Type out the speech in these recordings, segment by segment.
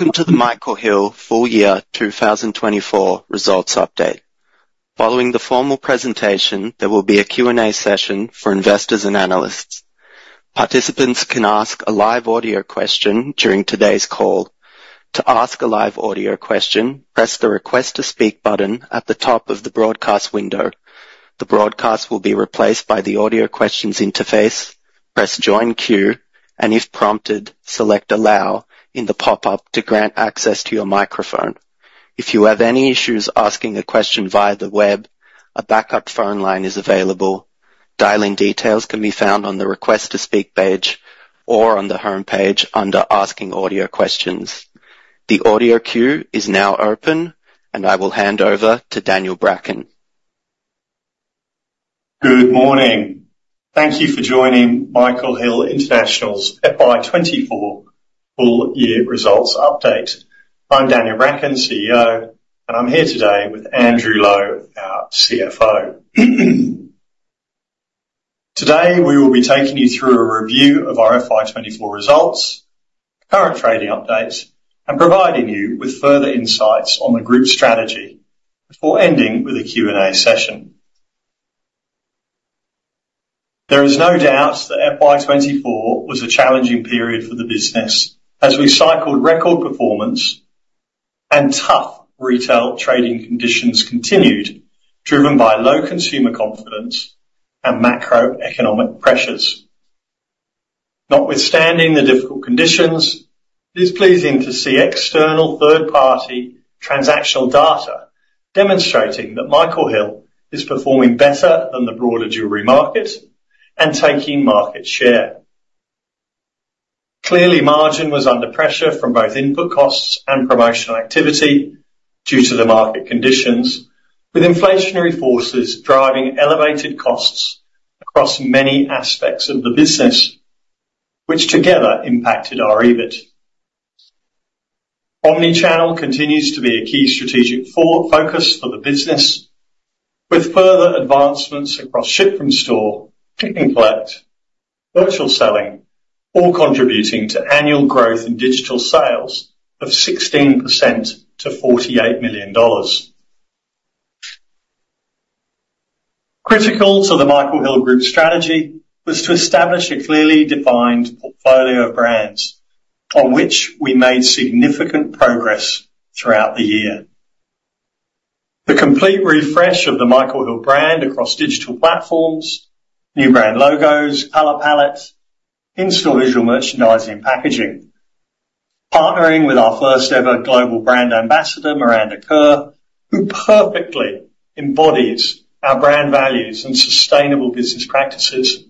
Welcome to the Michael Hill Full Year 2024 Results Update. Following the formal presentation, there will be a Q&A session for investors and analysts. Participants can ask a live audio question during today's call. To ask a live audio question, press the Request to Speak button at the top of the broadcast window. The broadcast will be replaced by the Audio Questions interface. Press Join Queue, and if prompted, select Allow in the pop-up to grant access to your microphone. If you have any issues asking a question via the web, a backup phone line is available. Dialing details can be found on the Request to Speak page or on the homepage under Asking Audio Questions. The audio queue is now open, and I will hand over to Daniel Bracken. Good morning! Thank you for joining Michael Hill International's FY twenty-four Full Year Results Update. I'm Daniel Bracken, CEO, and I'm here today with Andrew Lowe, our CFO. Today, we will be taking you through a review of our FY twenty-four results, current trading updates, and providing you with further insights on the group's strategy before ending with a Q&A session. There is no doubt that FY twenty-four was a challenging period for the business as we cycled record performance and tough retail trading conditions continued, driven by low consumer confidence and macroeconomic pressures. Notwithstanding the difficult conditions, it is pleasing to see external third-party transactional data demonstrating that Michael Hill is performing better than the broader jewelry market and taking market share. Clearly, margin was under pressure from both input costs and promotional activity due to the market conditions, with inflationary forces driving elevated costs across many aspects of the business, which together impacted our EBIT. Omnichannel continues to be a key strategic focus for the business, with further advancements across ship from store, click and collect, virtual selling, all contributing to annual growth in digital sales of 16% to AUD 48 million. Critical to the Michael Hill Group strategy was to establish a clearly defined portfolio of brands, on which we made significant progress throughout the year. The complete refresh of the Michael Hill brand across digital platforms, new brand logos, color palettes, in-store visual merchandising, packaging. Partnering with our first-ever global brand ambassador, Miranda Kerr, who perfectly embodies our brand values and sustainable business practices.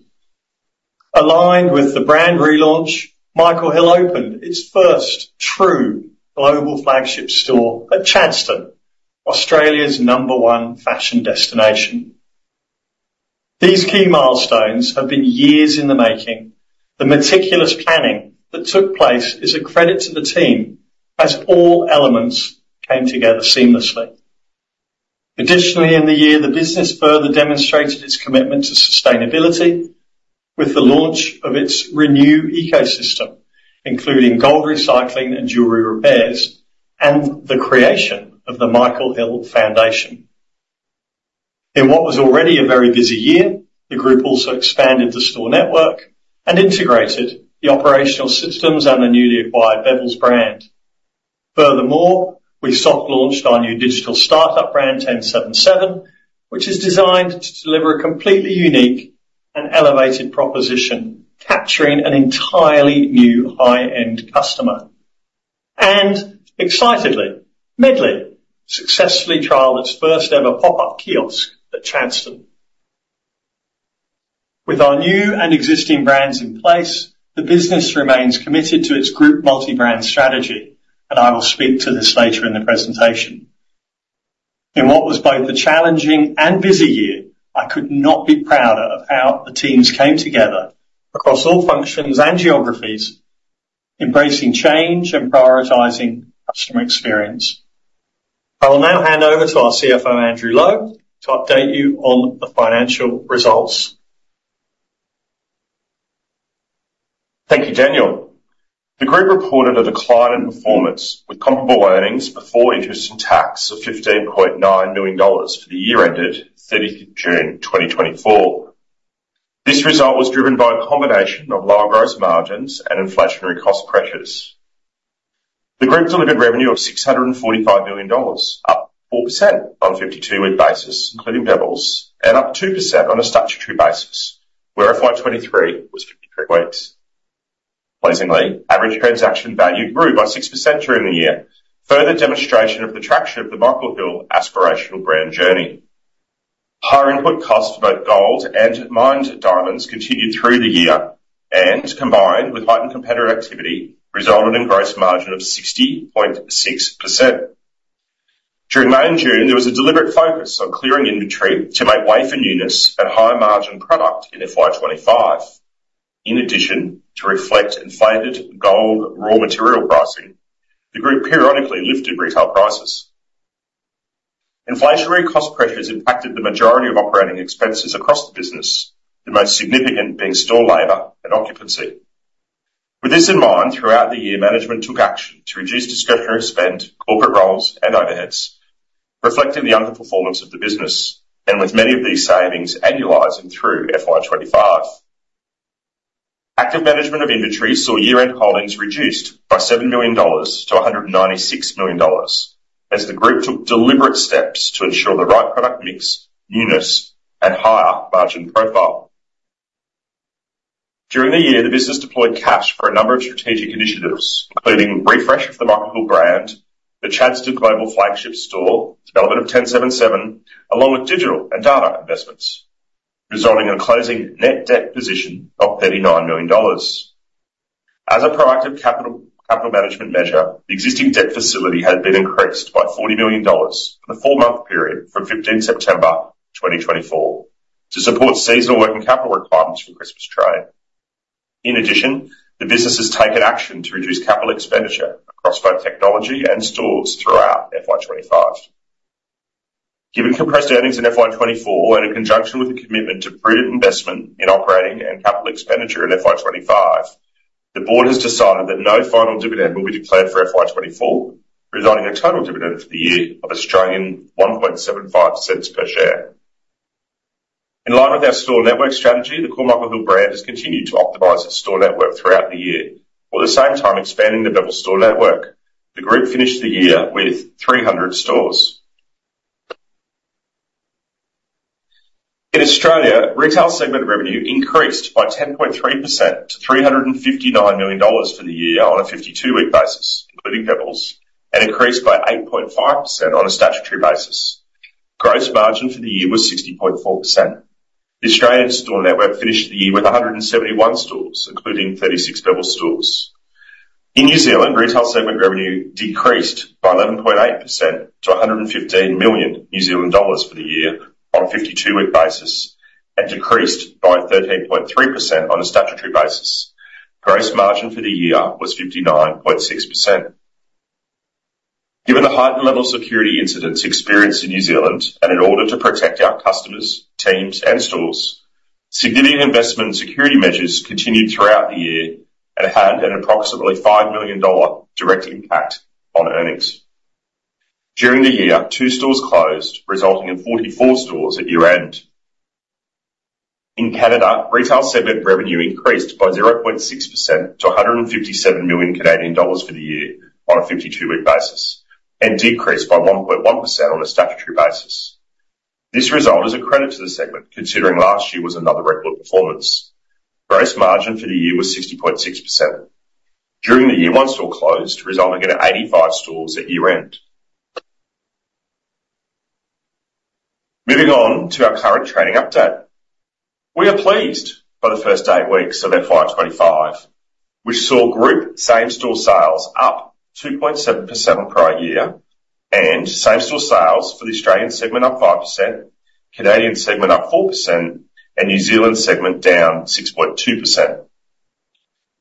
Aligned with the brand relaunch, Michael Hill opened its first true global flagship store at Chadstone, Australia's number one fashion destination. These key milestones have been years in the making. The meticulous planning that took place is a credit to the team, as all elements came together seamlessly. Additionally, in the year, the business further demonstrated its commitment to sustainability with the launch of its Re:new ecosystem, including gold recycling and jewelry repairs, and the creation of the Michael Hill Foundation. In what was already a very busy year, the group also expanded the store network and integrated the operational systems and the newly acquired Bevilles brand. Furthermore, we soft launched our new digital startup brand, TenSevenSeven, which is designed to deliver a completely unique and elevated proposition, capturing an entirely new high-end customer. And excitedly, Medley successfully trialed its first-ever pop-up kiosk at Chadstone. With our new and existing brands in place, the business remains committed to its group multi-brand strategy, and I will speak to this later in the presentation. In what was both a challenging and busy year, I could not be prouder of how the teams came together across all functions and geographies, embracing change and prioritizing customer experience. I will now hand over to our CFO, Andrew Lowe, to update you on the financial results. Thank you, Daniel. The group reported a decline in performance, with comparable earnings before interest and tax of 15.9 million dollars for the year ended 30th of June, 2024. This result was driven by a combination of lower gross margins and inflationary cost pressures. The group delivered revenue of 645 million dollars, up 4% on a 52-week basis, including Bevilles, and up 2% on a statutory basis, where FY 2023 was 53 weeks. Pleasingly, average transaction value grew by 6% during the year, further demonstration of the traction of the Michael Hill aspirational brand journey. Higher input costs for both gold and mined diamonds continued through the year and, combined with heightened competitor activity, resulted in gross margin of 60.6%. During May and June, there was a deliberate focus on clearing inventory to make way for newness at higher-margin product in FY25. In addition, to reflect inflated gold raw material pricing, the group periodically lifted retail prices. Inflationary cost pressures impacted the majority of operating expenses across the business, the most significant being store labor and occupancy. With this in mind, throughout the year, management took action to reduce discretionary spend, corporate roles, and overheads, reflecting the underperformance of the business, and with many of these savings annualizing through FY25. Active management of inventory saw year-end holdings reduced by 7 million dollars to 196 million dollars, as the group took deliberate steps to ensure the right product mix, newness, and higher margin profile. During the year, the business deployed cash for a number of strategic initiatives, including refresh of the Michael Hill brand, the Chadstone global flagship store, development of TenSevenSeven, along with digital and data investments, resulting in a closing net debt position of 39 million dollars. As a proactive capital management measure, the existing debt facility has been increased by AUD 40 million for the four-month period from fifteenth September 2024 to support seasonal working capital requirements for Christmas trade. In addition, the business has taken action to reduce capital expenditure across both technology and stores throughout FY twenty-five. Given compressed earnings in FY 2024 and in conjunction with a commitment to prudent investment in operating and capital expenditure in FY 2025, the board has decided that no final dividend will be declared for FY 2024, resulting in a total dividend for the year of 0.0175 per share. In line with our store network strategy, the Michael Hill brand has continued to optimize its store network throughout the year, while at the same time expanding the Bevilles store network. The group finished the year with 300 stores. In Australia, retail segment revenue increased by 10.3% to 359 million dollars for the year on a 52-week basis, including Bevilles, and increased by 8.5% on a statutory basis. Gross margin for the year was 60.4%. The Australian store network finished the year with 171 stores, including 36 Bevilles stores. In New Zealand, retail segment revenue decreased by 11.8% to 115 million New Zealand dollars for the year on a 52-week basis, and decreased by 13.3% on a statutory basis. Gross margin for the year was 59.6%. Given the heightened level of security incidents experienced in New Zealand and in order to protect our customers, teams and stores, significant investment in security measures continued throughout the year and had an approximately 5 million dollar direct impact on earnings. During the year, two stores closed, resulting in 44 stores at year-end. In Canada, retail segment revenue increased by 0.6% to 157 million Canadian dollars for the year on a 52-week basis, and decreased by 1.1% on a statutory basis. This result is a credit to the segment, considering last year was another record performance. Gross margin for the year was 60.6%. During the year, one store closed, resulting in 85 stores at year-end. Moving on to our current trading update. We are pleased by the first eight weeks of FY25, which saw group same-store sales up 2.7% on prior year, and same-store sales for the Australian segment up 5%, Canadian segment up 4%, and New Zealand segment down 6.2%.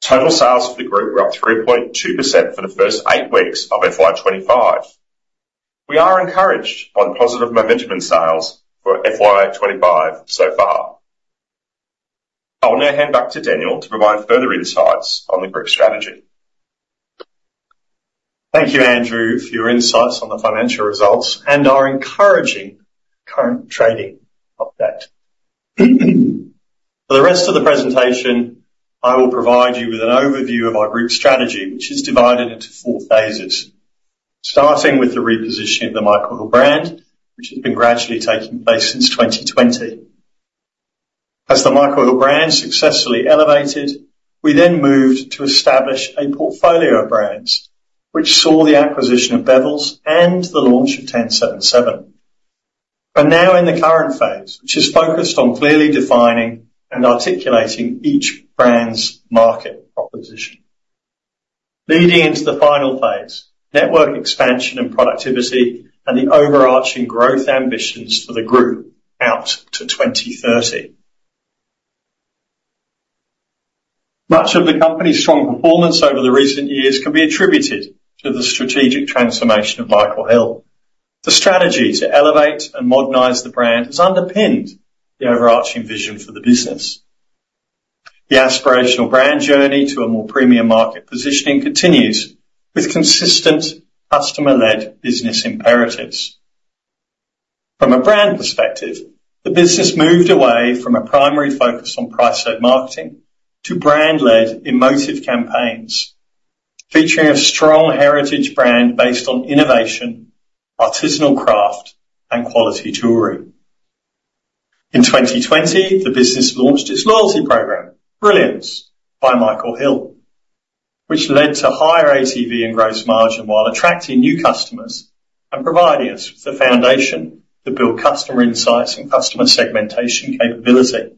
Total sales for the group were up 3.2% for the first eight weeks of FY25. We are encouraged on positive momentum in sales for FY twenty-five so far. I will now hand back to Daniel to provide further insights on the group strategy. Thank you, Andrew, for your insights on the financial results and our encouraging current trading update. For the rest of the presentation, I will provide you with an overview of our group strategy, which is divided into four phases. Starting with the repositioning of the Michael Hill brand, which has been gradually taking place since 2020. As the Michael Hill brand successfully elevated, we then moved to establish a portfolio of brands which saw the acquisition of Bevilles and the launch of TenSevenSeven. We're now in the current phase, which is focused on clearly defining and articulating each brand's market proposition. Leading into the final phase, network expansion and productivity, and the overarching growth ambitions for the group out to 2030. Much of the company's strong performance over the recent years can be attributed to the strategic transformation of Michael Hill. The strategy to elevate and modernize the brand has underpinned the overarching vision for the business. The aspirational brand journey to a more premium market positioning continues with consistent customer-led business imperatives. From a brand perspective, the business moved away from a primary focus on price-led marketing to brand-led emotive campaigns, featuring a strong heritage brand based on innovation, artisanal craft, and quality jewelry. In 2020, the business launched its loyalty program, Brilliance by Michael Hill, which led to higher ATV and gross margin, while attracting new customers and providing us with the foundation to build customer insights and customer segmentation capability.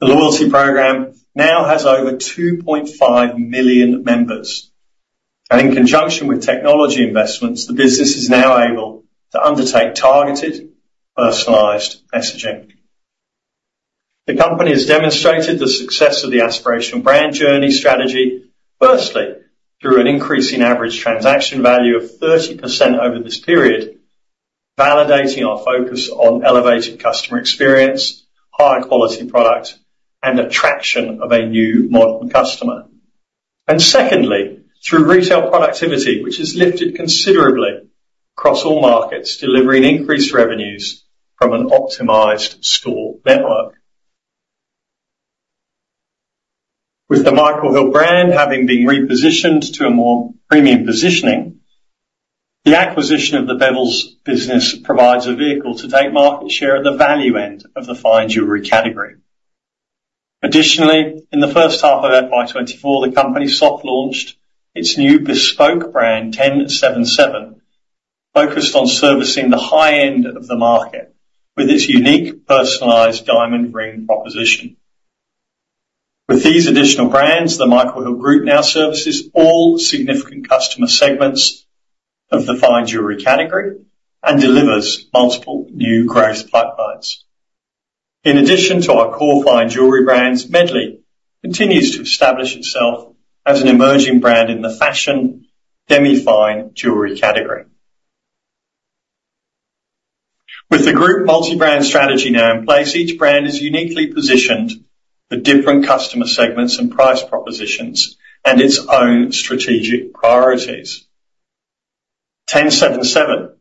The loyalty program now has over 2.5 million members, and in conjunction with technology investments, the business is now able to undertake targeted, personalized messaging. The company has demonstrated the success of the aspirational brand journey strategy, firstly, through an increase in average transaction value of 30% over this period, validating our focus on elevated customer experience, high-quality product, and attraction of a new modern customer, and secondly, through retail productivity, which has lifted considerably across all markets, delivering increased revenues from an optimized store network. With the Michael Hill brand having been repositioned to a more premium positioning, the acquisition of the Bevilles business provides a vehicle to take market share at the value end of the fine jewelry category. Additionally, in the first half of FY twenty-four, the company soft launched its new bespoke brand, TenSevenSeven, focused on servicing the high end of the market with its unique personalized diamond ring proposition. With these additional brands, the Michael Hill Group now services all significant customer segments of the fine jewelry category and delivers multiple new growth pipelines. In addition to our core fine jewelry brands, Medley continues to establish itself as an emerging brand in the fashion demi-fine jewelry category. With the group multi-brand strategy now in place, each brand is uniquely positioned for different customer segments and price propositions, and its own strategic priorities. TenSevenSeven,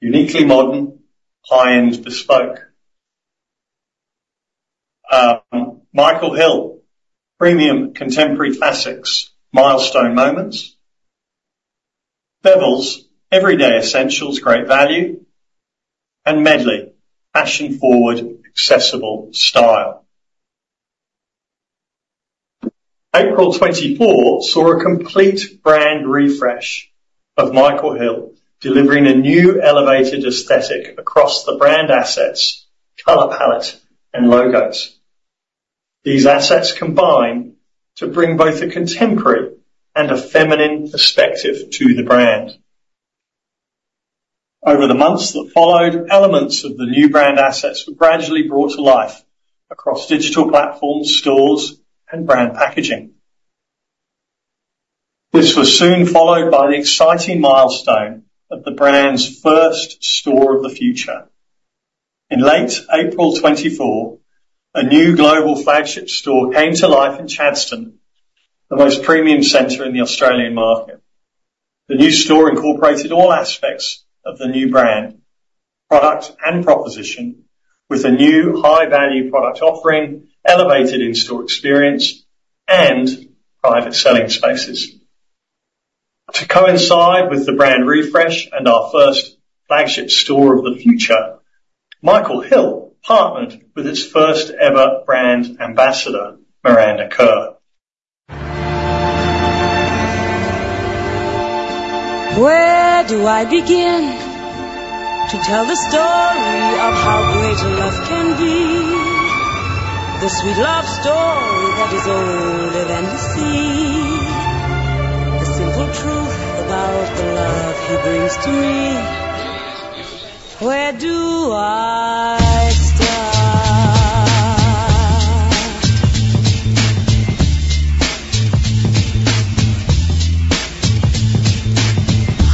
uniquely modern, high-end bespoke. Michael Hill, premium contemporary classics, milestone moments. Bevilles, everyday essentials, great value, and Medley, fashion-forward, accessible style. April 2024 saw a complete brand refresh of Michael Hill, delivering a new elevated aesthetic across the brand assets, color palette, and logos. These assets combine to bring both a contemporary and a feminine perspective to the brand. Over the months that followed, elements of the new brand assets were gradually brought to life across digital platforms, stores, and brand packaging. This was soon followed by the exciting milestone of the brand's first Store of the Future. In late April 2024, a new global flagship store came to life in Chadstone, the most premium center in the Australian market. The new store incorporated all aspects of the new brand, product, and proposition, with a new high-value product offering, elevated in-store experience, and private selling spaces. To coincide with the brand refresh and our first flagship Store of the Future, Michael Hill partnered with its first ever brand ambassador, Miranda Kerr. Where do I begin to tell the story of how great a love can be? The sweet love story that is older than the sea. The simple truth about the love he brings to me. Where do I start?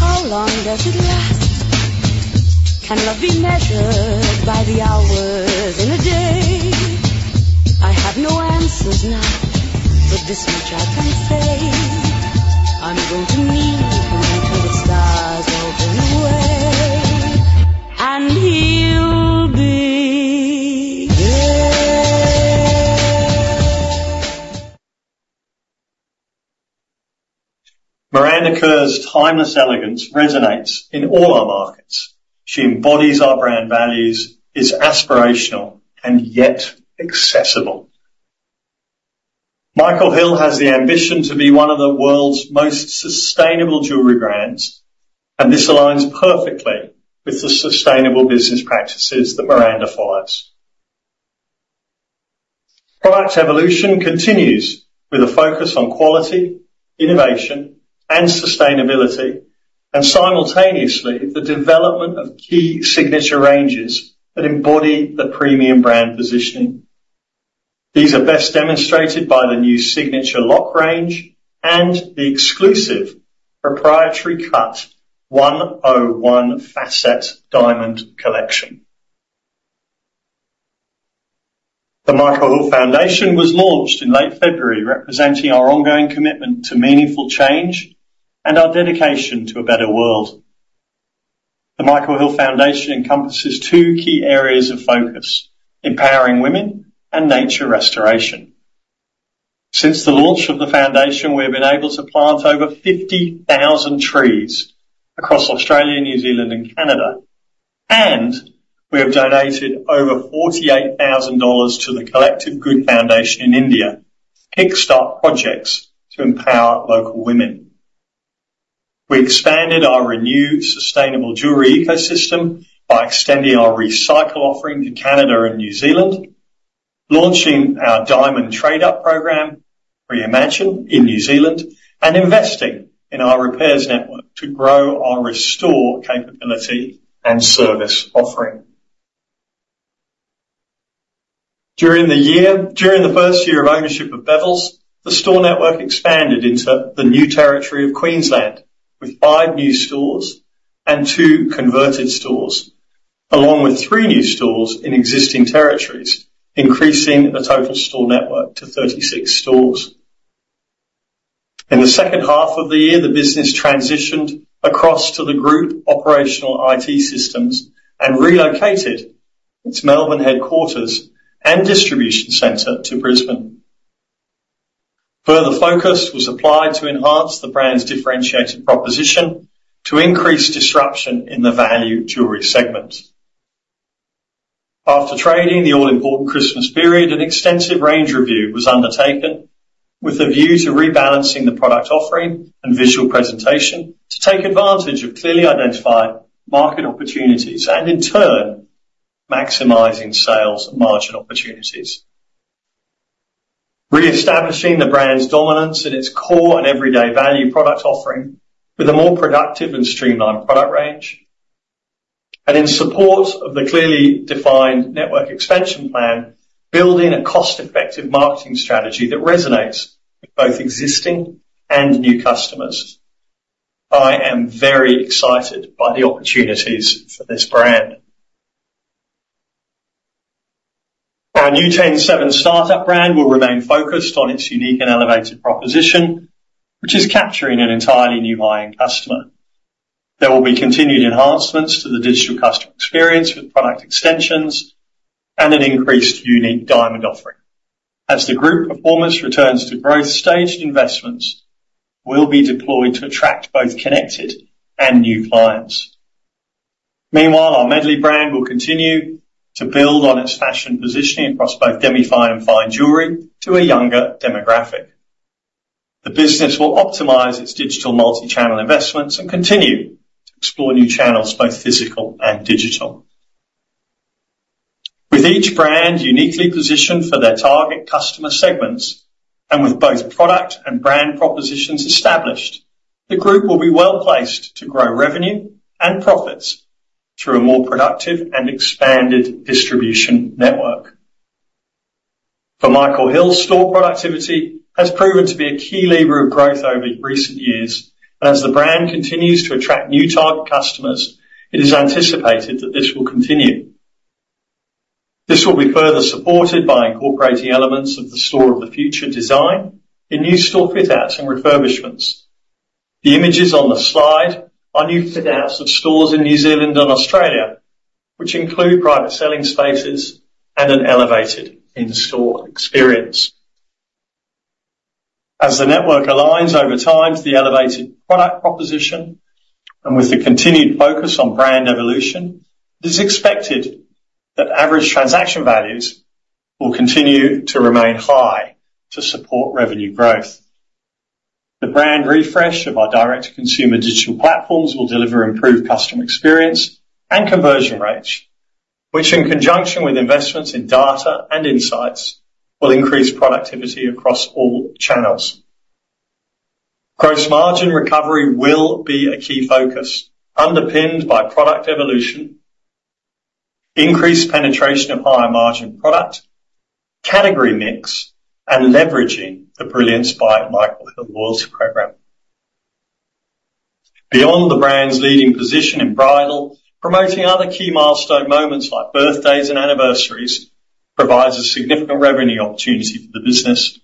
How long does it last? Can love be measured by the hours in a day? I have no answers now, but this much I can say. I'm going to need him until the stars are blown away, and he'll be there. Miranda Kerr's timeless elegance resonates in all our markets. She embodies our brand values, is aspirational, and yet accessible. Michael Hill has the ambition to be one of the world's most sustainable jewelry brands, and this aligns perfectly with the sustainable business practices that Miranda follows. Product evolution continues with a focus on quality, innovation, and sustainability, and simultaneously, the development of key signature ranges that embody the premium brand positioning. These are best demonstrated by the new Signature Lock range and the exclusive proprietary cut 101 Facet Diamond Collection. The Michael Hill Foundation was launched in late February, representing our ongoing commitment to meaningful change and our dedication to a better world. The Michael Hill Foundation encompasses two key areas of focus: empowering women and nature restoration. Since the launch of the foundation, we have been able to plant over 50,000 trees across Australia, New Zealand, and Canada, and we have donated over 48,000 dollars to the Collective Good Foundation in India, kickstart projects to empower local women. We expanded our renewed sustainable jewelry ecosystem by extending our recycle offering to Canada and New Zealand, launching our Diamond Trade-Up program reimagined in New Zealand, and investing in our repairs network to grow our restore capability and service offering. During the year, during the first year of ownership of Bevilles, the store network expanded into the new territory of Queensland, with five new stores and two converted stores, along with three new stores in existing territories, increasing the total store network to 36 stores. In the second half of the year, the business transitioned across to the group operational IT systems and relocated its Melbourne headquarters and distribution center to Brisbane. Further focus was applied to enhance the brand's differentiated proposition to increase disruption in the value jewelry segment. After trading the all-important Christmas period, an extensive range review was undertaken with a view to rebalancing the product offering and visual presentation, to take advantage of clearly identified market opportunities and in turn, maximizing sales and margin opportunities. Reestablishing the brand's dominance in its core and everyday value product offering with a more productive and streamlined product range, and in support of the clearly defined network expansion plan, building a cost-effective marketing strategy that resonates with both existing and new customers. I am very excited by the opportunities for this brand. Our new TenSevenSeven start-up brand will remain focused on its unique and elevated proposition, which is capturing an entirely new buying customer. There will be continued enhancements to the digital customer experience, with product extensions and an increased unique diamond offering. As the group performance returns to growth, staged investments will be deployed to attract both connected and new clients. Meanwhile, our Medley brand will continue to build on its fashion positioning across both demi-fine and fine jewelry to a younger demographic. The business will optimize its digital multi-channel investments and continue to explore new channels, both physical and digital. With each brand uniquely positioned for their target customer segments, and with both product and brand propositions established, the group will be well-placed to grow revenue and profits through a more productive and expanded distribution network. For Michael Hill, store productivity has proven to be a key lever of growth over recent years, and as the brand continues to attract new target customers, it is anticipated that this will continue. This will be further supported by incorporating elements of the Store of the Future design in new store fit outs and refurbishments. The images on the slide are new fit outs of stores in New Zealand and Australia, which include private selling spaces and an elevated in-store experience. As the network aligns over time to the elevated product proposition, and with the continued focus on brand evolution, it is expected that average transaction values will continue to remain high to support revenue growth. The brand refresh of our direct-to-consumer digital platforms will deliver improved customer experience and conversion rates, which, in conjunction with investments in data and insights, will increase productivity across all channels. Gross margin recovery will be a key focus, underpinned by product evolution, increased penetration of higher-margin product, category mix, and leveraging the Brilliance by Michael Hill loyalty program. Beyond the brand's leading position in bridal, promoting other key milestone moments, like birthdays and anniversaries, provides a significant revenue opportunity for the business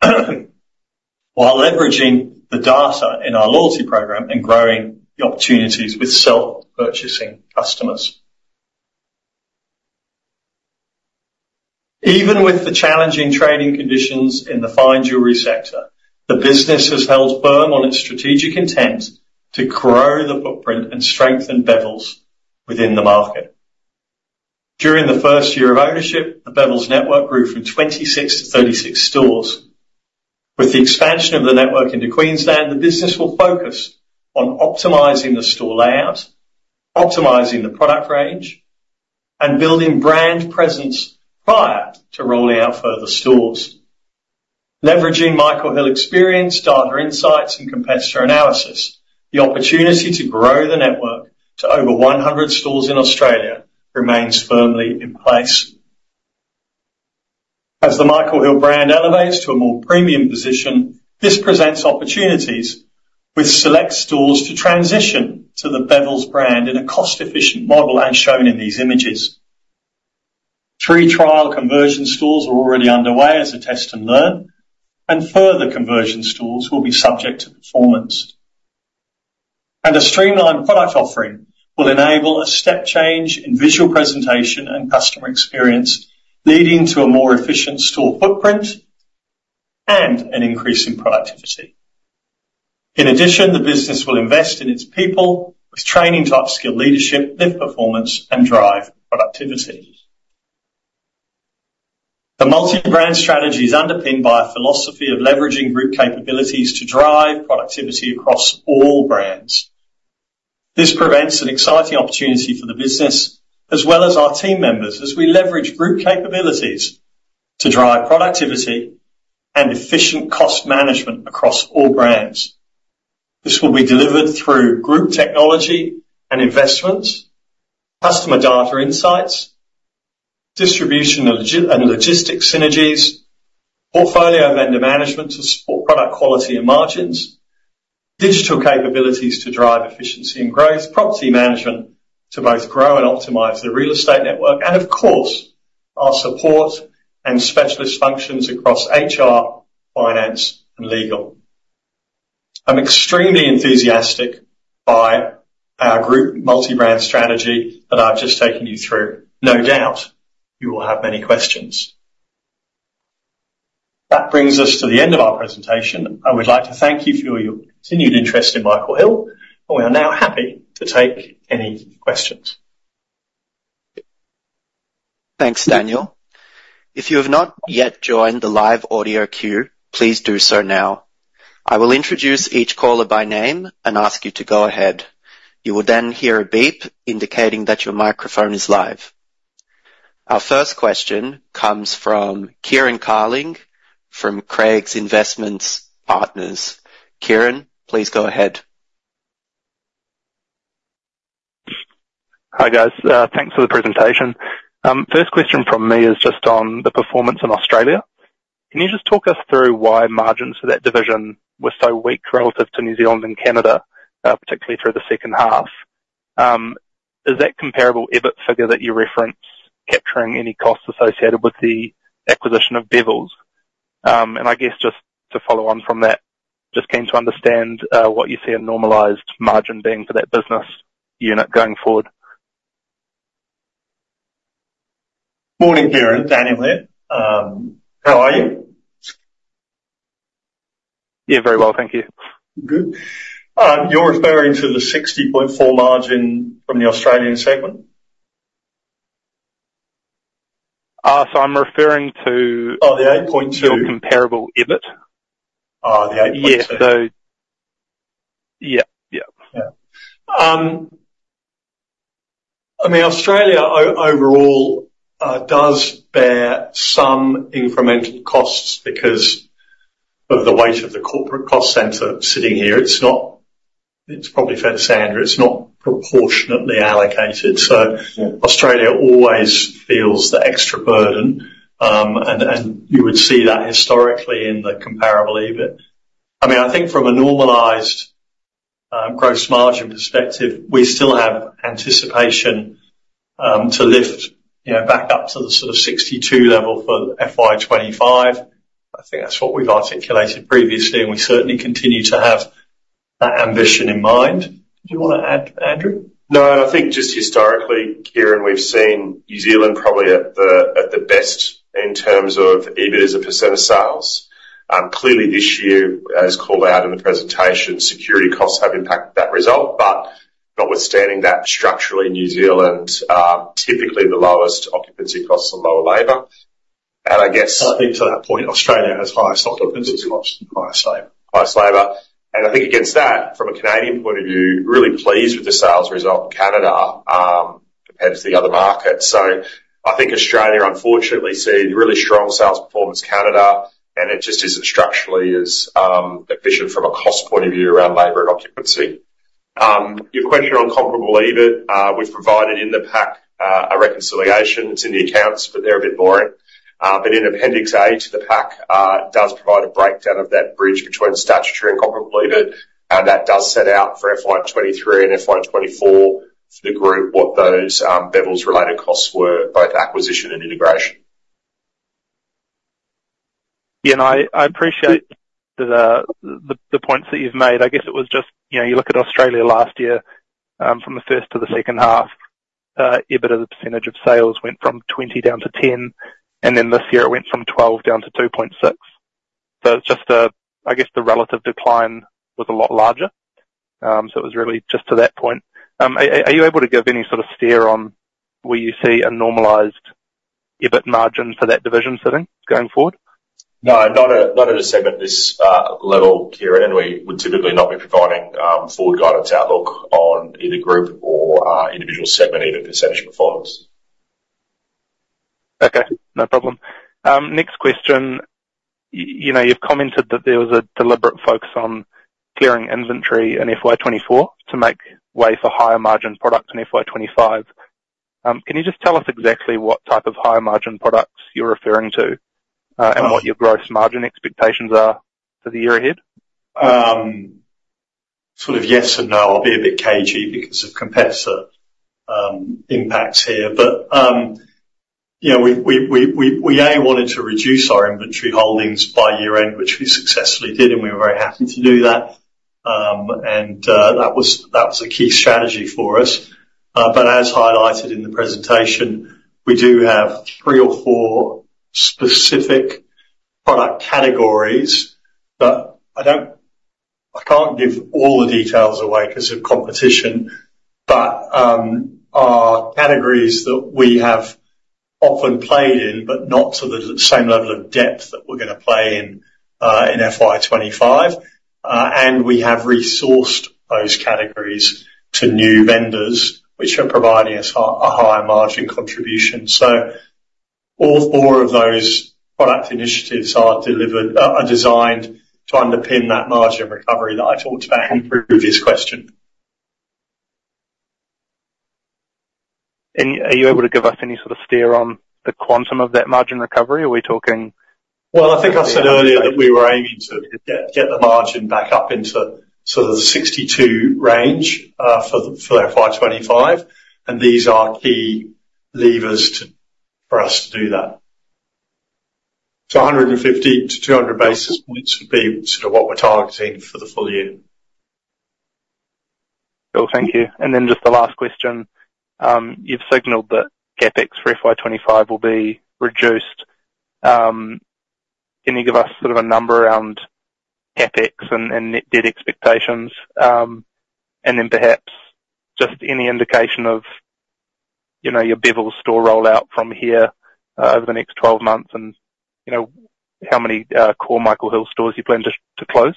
while leveraging the data in our loyalty program and growing the opportunities with self-purchasing customers. Even with the challenging trading conditions in the fine jewelry sector, the business has held firm on its strategic intent to grow the footprint and strengthen Bevilles within the market. During the first year of ownership, the Bevilles network grew from 26 to 36 stores. With the expansion of the network into Queensland, the business will focus on optimizing the store layout, optimizing the product range, and building brand presence prior to rolling out further stores. Leveraging Michael Hill experience, data insights, and competitor analysis, the opportunity to grow the network to over 100 stores in Australia remains firmly in place. As the Michael Hill brand elevates to a more premium position, this presents opportunities with select stores to transition to the Bevilles brand in a cost-efficient model, as shown in these images. Three trial conversion stores are already underway as a test and learn, and further conversion stores will be subject to performance. And a streamlined product offering will enable a step change in visual presentation and customer experience, leading to a more efficient store footprint and an increase in productivity. In addition, the business will invest in its people with training to upskill leadership, lift performance, and drive productivity. The multi-brand strategy is underpinned by a philosophy of leveraging group capabilities to drive productivity across all brands. This presents an exciting opportunity for the business as well as our team members, as we leverage group capabilities to drive productivity and efficient cost management across all brands. This will be delivered through group technology and investments, customer data insights, distribution and logistics synergies, portfolio vendor management to support product quality and margins, digital capabilities to drive efficiency and growth, property management to both grow and optimize the real estate network, and of course, our support and specialist functions across HR, finance, and legal. I'm extremely enthusiastic by our group multi-brand strategy that I've just taken you through. No doubt, you will have many questions. That brings us to the end of our presentation. I would like to thank you for your continued interest in Michael Hill, and we are now happy to take any questions. Thanks, Daniel. If you have not yet joined the live audio queue, please do so now. I will introduce each caller by name and ask you to go ahead. You will then hear a beep indicating that your microphone is live. Our first question comes from Kieran Carling from Craigs Investment Partners. Kieran, please go ahead. Hi, guys. Thanks for the presentation. First question from me is just on the performance in Australia. Can you just talk us through why margins for that division were so weak relative to New Zealand and Canada, particularly through the second half? Is that comparable EBIT figure that you referenced capturing any costs associated with the acquisition of Bevilles? And I guess just to follow on from that, just keen to understand what you see a normalized margin being for that business unit going forward? Morning, Kieran. Daniel here. How are you? Yeah, very well, thank you. Good. You're referring to the 60.4 margin from the Australian segment? So I'm referring to- Oh, the eight point two. The comparable EBIT. Oh, the eight point two. Yeah. So... Yeah. Yeah. Yeah. I mean, Australia overall does bear some incremental costs because of the weight of the corporate cost center sitting here. It's not. It's probably fair to say, Andrew, it's not proportionately allocated, so- Yeah. Australia always feels the extra burden. And you would see that historically in the comparable EBIT. I mean, I think from a normalized gross margin perspective, we still have anticipation to lift, you know, back up to the sort of 62% level for FY25. I think that's what we've articulated previously, and we certainly continue to have that ambition in mind. Do you want to add, Andrew? No, I think just historically, Kieran, we've seen New Zealand probably at the best in terms of EBIT as a % of sales. Clearly, this year, as called out in the presentation, security costs have impacted that result, but notwithstanding that, structurally, New Zealand typically the lowest occupancy costs and lower labor. And I guess- I think to that point, Australia has higher stock occupancy costs and higher labor. Higher labor. And I think against that, from a Canadian point of view, really pleased with the sales result in Canada, compared to the other markets. So I think Australia, unfortunately, see really strong sales performance Canada, and it just isn't structurally as efficient from a cost point of view around labor and occupancy. Your question on comparable EBIT, we've provided in the pack a reconciliation. It's in the accounts, but they're a bit boring. But in appendix A to the pack does provide a breakdown of that bridge between statutory and comparable EBIT, and that does set out for FY 2023 and FY 2024 for the group, what those Bevilles related costs were, both acquisition and integration. Yeah, and I appreciate the points that you've made. I guess it was just, you know, you look at Australia last year, from the first to the second half, EBIT as a percentage of sales went from 20% down to 10%, and then this year it went from 12% down to 2.6%. So it's just, I guess, the relative decline was a lot larger. So it was really just to that point. Are you able to give any sort of steer on where you see a normalized EBIT margin for that division sitting going forward? No, not at a segment this level, Kieran, and we would typically not be providing forward guidance outlook on either group or individual segment EBIT percentage performance. Okay, no problem. Next question. You know, you've commented that there was a deliberate focus on clearing inventory in FY24 to make way for higher margin products in FY25. Can you just tell us exactly what type of higher margin products you're referring to, and what your gross margin expectations are for the year ahead? Sort of yes and no. I'll be a bit cagey because of competitor impacts here. But you know, we wanted to reduce our inventory holdings by year-end, which we successfully did, and we were very happy to do that. And that was a key strategy for us. But as highlighted in the presentation, we do have three or four specific product categories, but I don't - I can't give all the details away because of competition. But our categories that we have often played in, but not to the same level of depth that we're going to play in in FY twenty-five. And we have resourced those categories to new vendors, which are providing us a higher margin contribution. So all four of those product initiatives are designed to underpin that margin recovery that I talked about in the previous question. And are you able to give us any sort of steer on the quantum of that margin recovery? Are we talking- I think I said earlier that we were aiming to get the margin back up into sort of the 62 range for FY 2025, and these are key levers for us to do that. 150-200 basis points would be sort of what we're targeting for the full year. Cool. Thank you. And then just the last question. You've signaled that CapEx for FY twenty-five will be reduced. Can you give us sort of a number around CapEx and net debt expectations? And then perhaps just any indication of, you know, your Bevilles store rollout from here over the next twelve months, and, you know, how many core Michael Hill stores you plan to close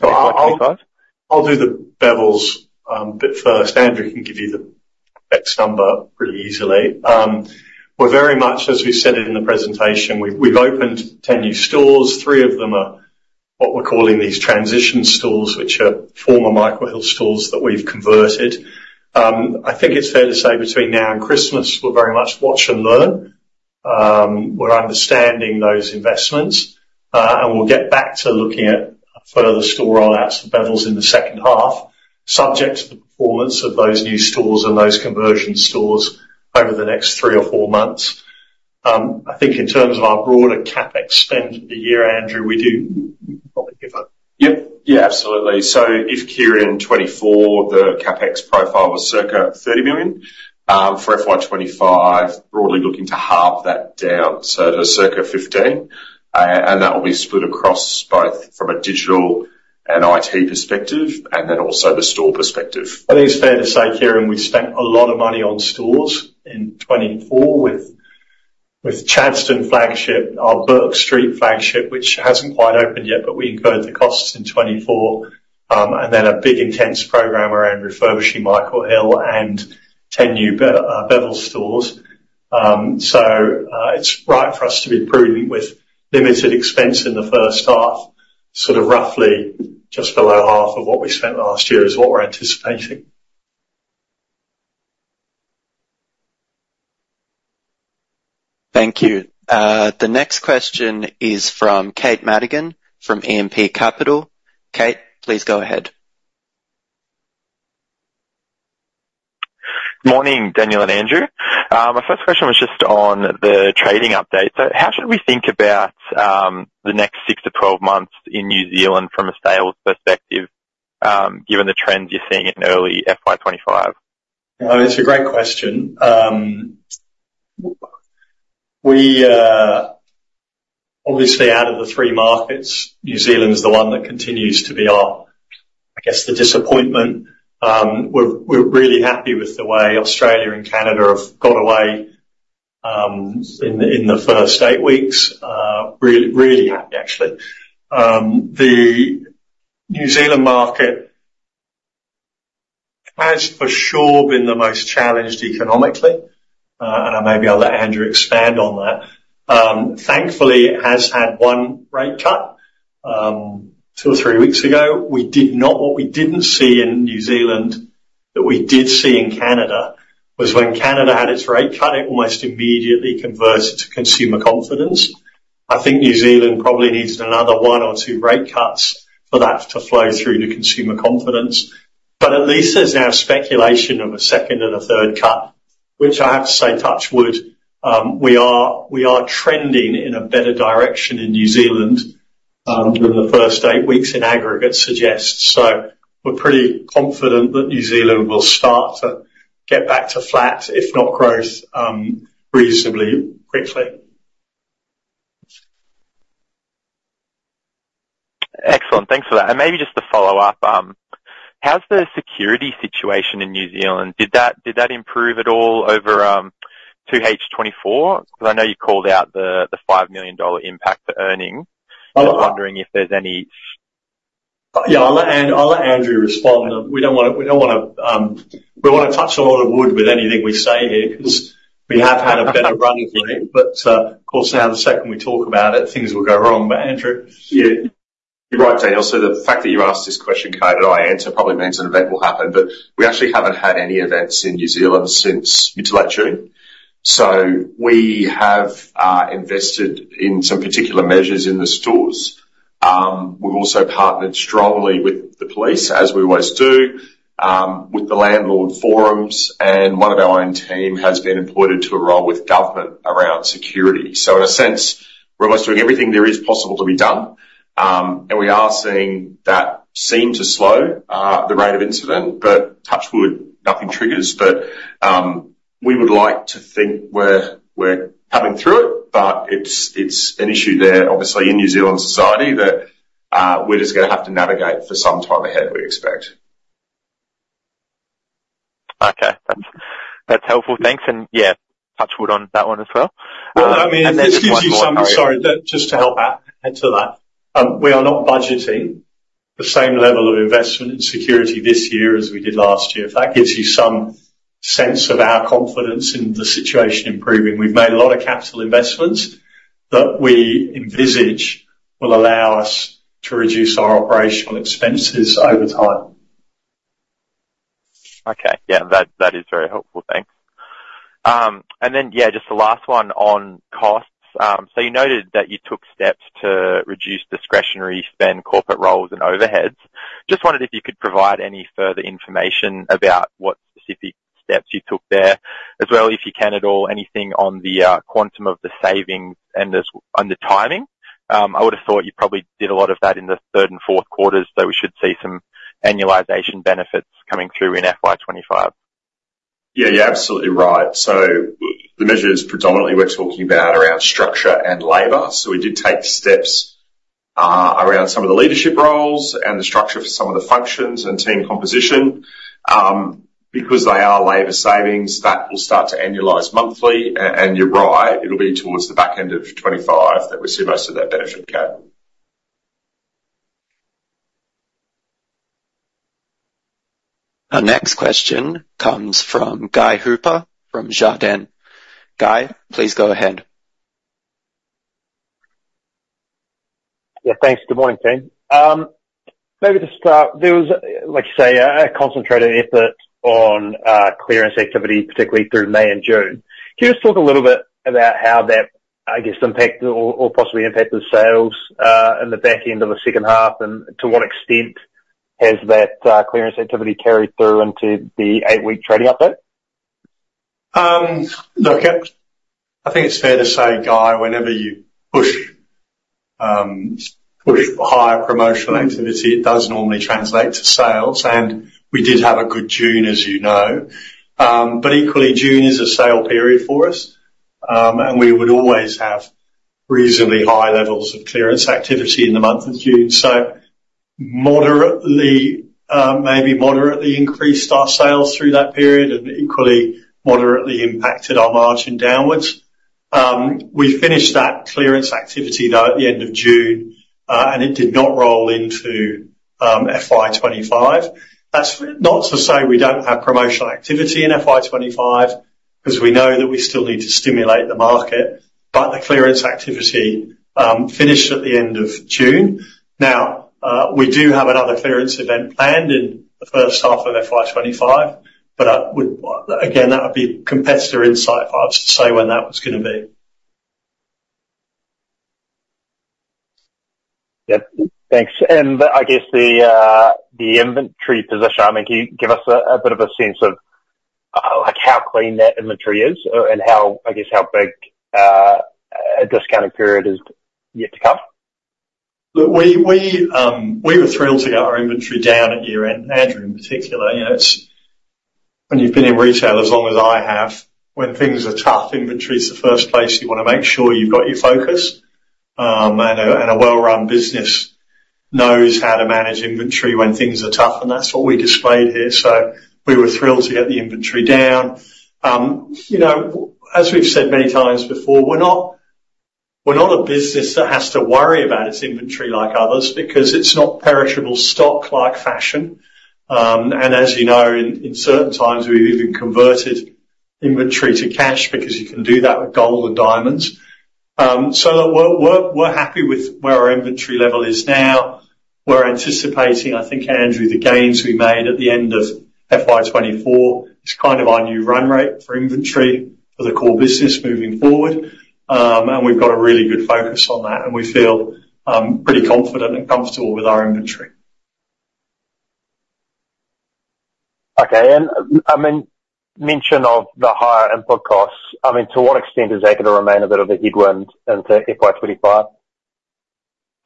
for FY twenty-five? I'll do the Bevilles bit first. Andrew can give you the exact number pretty easily. We're very much, as we said in the presentation, we've opened 10 new stores. Three of them are what we're calling these transition stores, which are former Michael Hill stores that we've converted. I think it's fair to say between now and Christmas, we're very much watch and learn. We're understanding those investments, and we'll get back to looking at further store rollouts for Bevilles in the second half, subject to the performance of those new stores and those conversion stores over the next three or four months. I think in terms of our broader CapEx spend of the year, Andrew, we do probably give a- Yep. Yeah, absolutely. So, Kieran, FY 2024, the CapEx profile was circa 30 million for FY 2025, broadly looking to halve that down, so to circa 15 million, and that will be split across both from a digital and IT perspective, and then also the store perspective. I think it's fair to say, Kieran, we spent a lot of money on stores in 2024 with Chadstone flagship, our Bourke Street flagship, which hasn't quite opened yet, but we incurred the costs in 2024, and then a big intense program around refurbishing Michael Hill and 10 new Bevilles stores. So, it's right for us to be prudent with limited expense in the first half, sort of roughly just below half of what we spent last year is what we're anticipating. Thank you. The next question is from Kate Madigan, from E&P Capital. Kate, please go ahead. Morning, Daniel and Andrew. My first question was just on the trading update. So how should we think about the next six to twelve months in New Zealand from a sales perspective, given the trends you're seeing in early FY twenty-five? It's a great question. We obviously, out of the three markets, New Zealand is the one that continues to be our, I guess, the disappointment. We're really happy with the way Australia and Canada have got away, in the first eight weeks. Really, really happy, actually. The New Zealand market has for sure been the most challenged economically, and maybe I'll let Andrew expand on that. Thankfully, it has had one rate cut, two or three weeks ago. What we didn't see in New Zealand that we did see in Canada, was when Canada had its rate cut, it almost immediately converted to consumer confidence. I think New Zealand probably needs another one or two rate cuts for that to flow through to consumer confidence. But at least there's now speculation of a second and a third cut, which I have to say, touch wood, we are trending in a better direction in New Zealand than the first eight weeks in aggregate suggests. So we're pretty confident that New Zealand will start to get back to flat, if not growth, reasonably quickly. Excellent. Thanks for that. And maybe just to follow up, how's the security situation in New Zealand? Did that improve at all over 2H 2024? Because I know you called out the 5 million dollar impact to earnings. Uh- I'm wondering if there's any... Yeah, I'll let Andrew respond. We don't wanna touch a lot of wood with anything we say here, because we have had a better run of late. But of course, now, the second we talk about it, things will go wrong. But Andrew? Yeah, you're right, Daniel. So the fact that you asked this question, Kate, and I answer, probably means an event will happen, but we actually haven't had any events in New Zealand since mid-late June. So we have invested in some particular measures in the stores. We've also partnered strongly with the police, as we always do, with the landlord forums, and one of our own team has been employed to a role with government around security. So in a sense, we're almost doing everything there is possible to be done, and we are seeing that seem to slow the rate of incident, but touch wood, nothing triggers. But we would like to think we're coming through it, but it's an issue there, obviously, in New Zealand society, that we're just going to have to navigate for some time ahead, we expect. Okay, that's, that's helpful. Thanks, and yeah, touch wood on that one as well. Well, I mean, this gives you some- Just one more, sorry. Sorry, just to help out, add to that. We are not budgeting the same level of investment in security this year as we did last year. If that gives you some sense of our confidence in the situation improving. We've made a lot of capital investments that we envisage will allow us to reduce our operational expenses over time. Okay. Yeah, that, that is very helpful. Thanks. And then, yeah, just the last one on costs. So you noted that you took steps to reduce discretionary spend, corporate roles, and overheads. Just wondered if you could provide any further information about what specific steps you took there, as well, if you can at all, anything on the quantum of the savings and on the timing? I would have thought you probably did a lot of that in the third and fourth quarters, so we should see some annualization benefits coming through in FY twenty-five. Yeah, you're absolutely right. So the measures predominantly we're talking about around structure and labor. So we did take steps around some of the leadership roles and the structure for some of the functions and team composition. Because they are labor savings, that will start to annualize monthly. And you're right, it'll be towards the back end of 2025 that we see most of that benefit come. Our next question comes from Guy Hooper from Jarden. Guy, please go ahead. Yeah, thanks. Good morning, team. Maybe to start, there was, like you say, a concentrated effort on clearance activity, particularly through May and June. Can you just talk a little bit about how that, I guess, impacted or possibly impacted sales in the back end of the second half? And to what extent has that clearance activity carried through into the eight-week trading update? Look, I think it's fair to say, Guy, whenever you push higher promotional activity, it does normally translate to sales, and we did have a good June, as you know. But equally, June is a sale period for us, and we would always have reasonably high levels of clearance activity in the month of June. So moderately, maybe moderately increased our sales through that period and equally moderately impacted our margin downwards. We finished that clearance activity, though, at the end of June, and it did not roll into FY 2025. That's not to say we don't have promotional activity in FY 2025, because we know that we still need to stimulate the market, but the clearance activity finished at the end of June. Now, we do have another clearance event planned in the first half of FY twenty-five, but that would, again, that would be competitor insight if I was to say when that was gonna be. Yeah. Thanks. And I guess the inventory position, I mean, can you give us a bit of a sense of, like, how clean that inventory is and how, I guess, how big a discounted period is yet to come? Look, we were thrilled to get our inventory down at year-end, Andrew, in particular. You know, it's when you've been in retail as long as I have, when things are tough, inventory is the first place you want to make sure you've got your focus, and a well-run business knows how to manage inventory when things are tough, and that's what we displayed here. So we were thrilled to get the inventory down. You know, as we've said many times before, we're not a business that has to worry about its inventory like others, because it's not perishable stock like fashion. And as you know, in certain times, we've even converted inventory to cash because you can do that with gold and diamonds. So look, we're happy with where our inventory level is now. We're anticipating, I think, Andrew, the gains we made at the end of FY 2024, is kind of our new run rate for inventory for the core business moving forward, and we've got a really good focus on that, and we feel pretty confident and comfortable with our inventory. Okay. And, mention of the higher input costs, I mean, to what extent is that going to remain a bit of a headwind into FY25?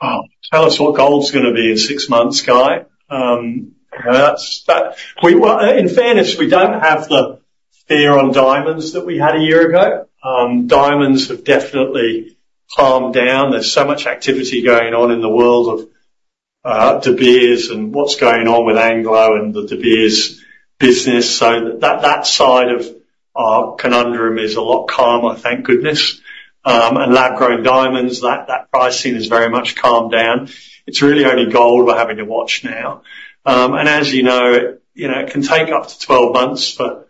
Tell us what gold's gonna be in six months, Guy. In fairness, we don't have the fear on diamonds that we had a year ago. Diamonds have definitely calmed down. There's so much activity going on in the world of De Beers and what's going on with Anglo and the De Beers business. So that side of our conundrum is a lot calmer, thank goodness. And lab-grown diamonds, that pricing has very much calmed down. It's really only gold we're having to watch now. And as you know, you know, it can take up to twelve months for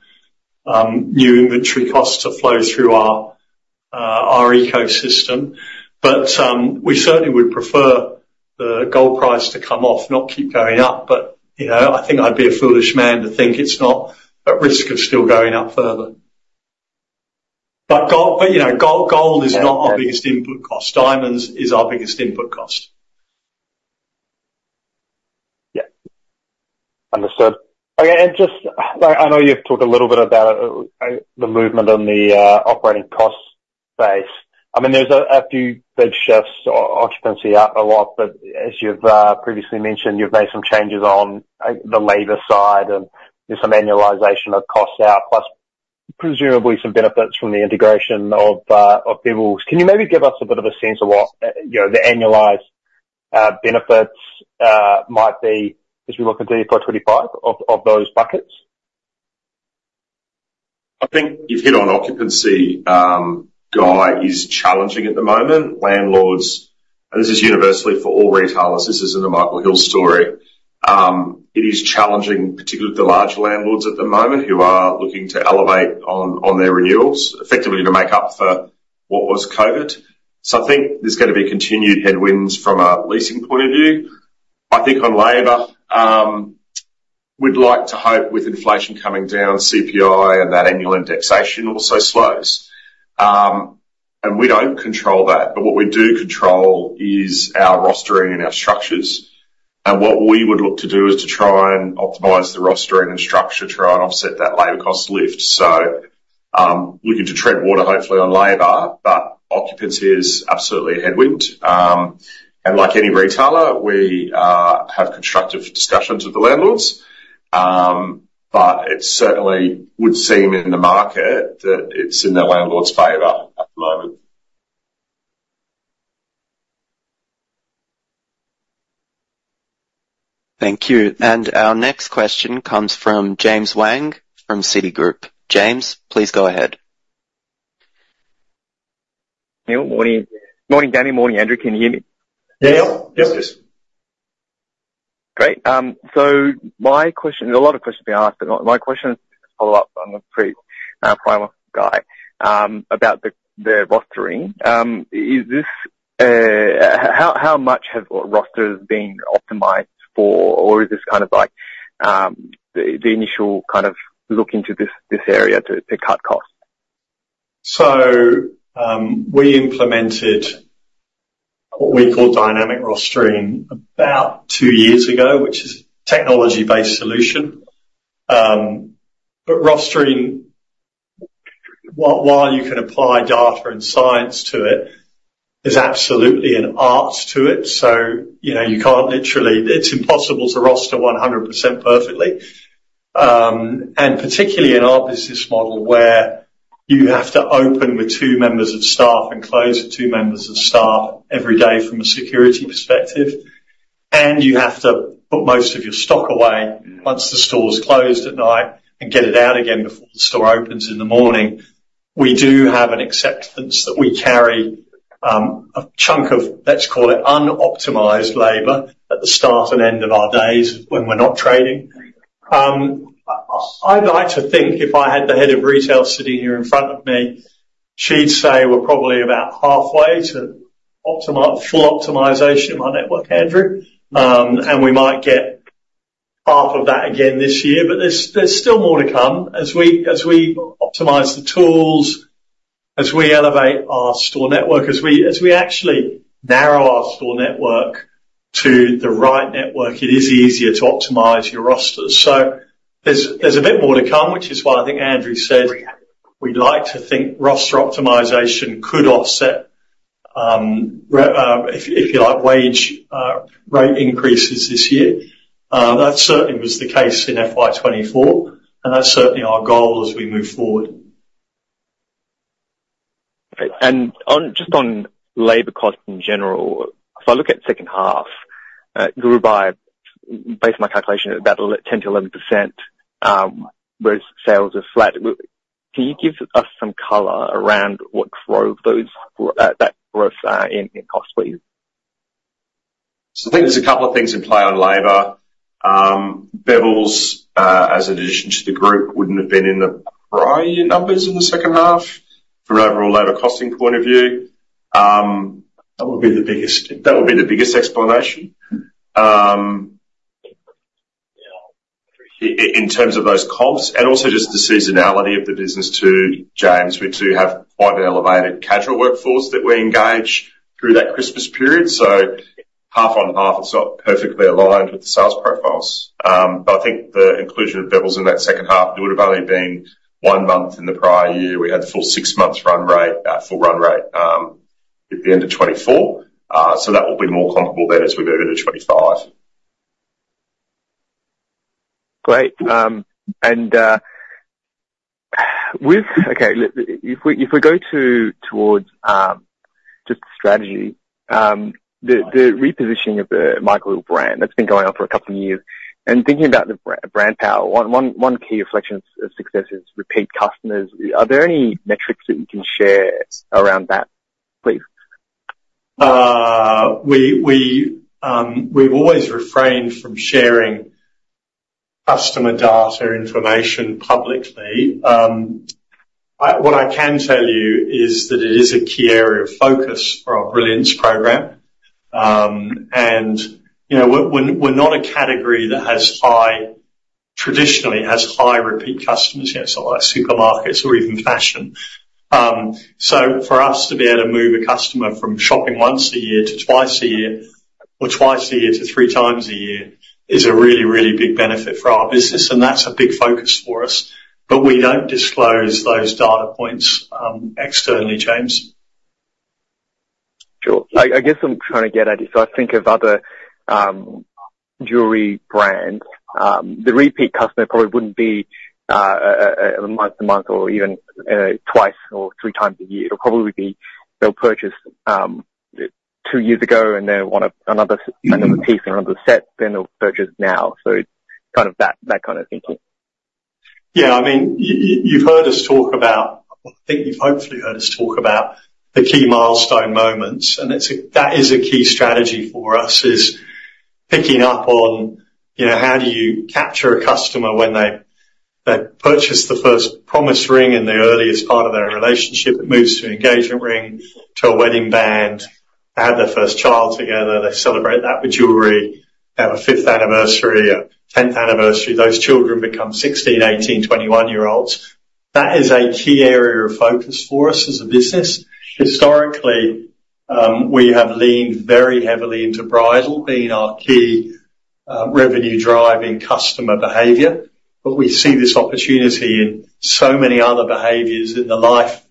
new inventory costs to flow through our ecosystem. But we certainly would prefer the gold price to come off, not keep going up. But, you know, I think I'd be a foolish man to think it's not at risk of still going up further. But gold, you know, gold, gold is not our biggest input cost. Diamonds is our biggest input cost. Yeah. Understood. Okay, and just, I know you've talked a little bit about the movement on the operating cost base. I mean, there's a few big shifts, occupancy up a lot, but as you've previously mentioned, you've made some changes on the labor side and did some annualization of costs out, plus- presumably some benefits from the integration of, of Bevilles. Can you maybe give us a bit of a sense of what, you know, the annualized, benefits, might be as we look into FY25 of, of those buckets? I think you've hit on occupancy, Guy, is challenging at the moment. Landlords, and this is universally for all retailers, this isn't a Michael Hill story. It is challenging, particularly with the large landlords at the moment, who are looking to elevate on their renewals, effectively to make up for what was COVID. So I think there's gonna be continued headwinds from a leasing point of view. I think on labor, we'd like to hope with inflation coming down, CPI and that annual indexation also slows, and we don't control that, but what we do control is our rostering and our structures, and what we would look to do is to try and optimize the rostering and structure, to try and offset that labor cost lift. So, looking to tread water, hopefully on labor, but occupancy is absolutely a headwind. And like any retailer, we have constructive discussions with the landlords. But it certainly would seem in the market that it's in the landlord's favor at the moment. Thank you. Our next question comes from James Wang from Citigroup. James, please go ahead. Hey, good morning. Morning, Daniel. Morning, Andrew. Can you hear me? Yes. Yes, yes. Great. So my question, there's a lot of questions being asked, but my question is to follow up on the primary guy about the rostering. Is this how much have rosters been optimized for, or is this kind of like the initial kind of look into this area to cut costs? So, we implemented what we call dynamic rostering about two years ago, which is a technology-based solution. But rostering, while you can apply data and science to it, there's absolutely an art to it, so, you know, you can't literally, it's impossible to roster 100% perfectly. And particularly in our business model, where you have to open with two members of staff and close with two members of staff every day from a security perspective, and you have to put most of your stock away once the store is closed at night and get it out again before the store opens in the morning. We do have an acceptance that we carry, a chunk of, let's call it, unoptimized labor at the start and end of our days when we're not trading. I'd like to think if I had the head of retail sitting here in front of me, she'd say we're probably about halfway to full optimization of my network, Andrew, and we might get half of that again this year. But there's still more to come as we optimize the tools, as we elevate our store network. As we actually narrow our store network to the right network, it is easier to optimize your rosters. So there's a bit more to come, which is why I think Andrew said, we'd like to think roster optimization could offset, if you like, wage rate increases this year. That certainly was the case in FY 2024, and that's certainly our goal as we move forward. And on, just on labor costs in general, if I look at the second half, it grew by, based on my calculation, about 10%-11%, whereas sales are flat. Can you give us some color around what drove those, that growth, in costs, please? So I think there's a couple of things in play on labor. Bevilles, as an addition to the group, wouldn't have been in the prior numbers in the second half from an overall labor costing point of view. That would be the biggest That would be the biggest explanation. In terms of those comps and also just the seasonality of the business to James, we do have quite an elevated casual workforce that we engage through that Christmas period. So half on half, it's not perfectly aligned with the sales profiles. But I think the inclusion of Bevilles in that second half, it would've only been one month in the prior year. We had the full six months run rate at the end of 2024. So that will be more comparable then as we go to 2025. Great. And if we go towards just the strategy, the repositioning of the Michael Hill brand, that's been going on for a couple of years, and thinking about the brand power, one key reflection of success is repeat customers. Are there any metrics that you can share around that, please? We've always refrained from sharing customer data information publicly. What I can tell you is that it is a key area of focus for our Brilliance program, and you know, we're not a category that traditionally has high repeat customers. You know, it's not like supermarkets or even fashion, so for us to be able to move a customer from shopping once a year to twice a year or twice a year to three times a year is a really, really big benefit for our business, and that's a big focus for us, but we don't disclose those data points externally, James. I guess I'm trying to get at, if I think of other jewelry brands, the repeat customer probably wouldn't be month to month or even twice or three times a year. It'll probably be they'll purchase two years ago, and they want another piece and another set, then they'll purchase now. So it's kind of that kind of thinking. Yeah, I mean, you've heard us talk about... I think you've hopefully heard us talk about the key milestone moments, and it's, that is, a key strategy for us, is picking up on, you know, how do you capture a customer when they purchase the first promise ring in the earliest part of their relationship? It moves to an engagement ring, to a wedding band. They have their first child together, they celebrate that with jewelry. They have a fifth anniversary, a tenth anniversary. Those children become sixteen-, eighteen-, twenty-one-year-olds. That is a key area of focus for us as a business. Historically, we have leaned very heavily into bridal being our key, revenue-driving customer behavior, but we see this opportunity in so many other behaviors in the life,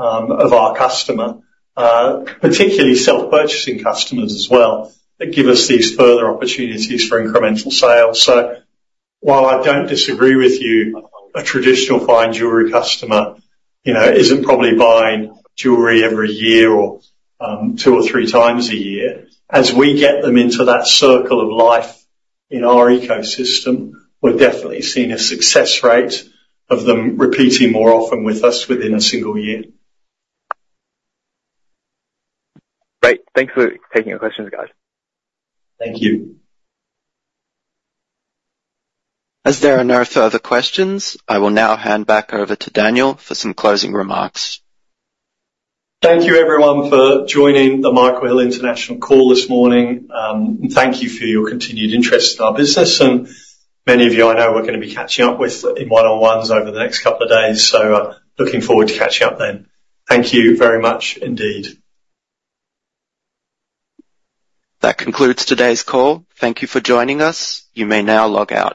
of our customer, particularly self-purchasing customers as well, that give us these further opportunities for incremental sales. So while I don't disagree with you, a traditional fine jewelry customer, you know, isn't probably buying jewelry every year or, two or three times a year. As we get them into that circle of life in our ecosystem, we're definitely seeing a success rate of them repeating more often with us within a single year. Great. Thanks for taking the questions, guys. Thank you. As there are no further questions, I will now hand back over to Daniel for some closing remarks. Thank you, everyone, for joining the Michael Hill International call this morning. And thank you for your continued interest in our business. And many of you, I know we're gonna be catching up with in one-on-ones over the next couple of days, so, looking forward to catching up then. Thank you very much indeed. That concludes today's call. Thank you for joining us. You may now log out.